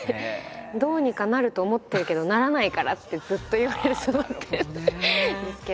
「どうにかなると思ってるけどならないから！」ってずっと言われて育ってるんですけど。